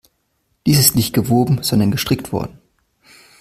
Dies ist nicht gewoben, sondern gestrickt worden.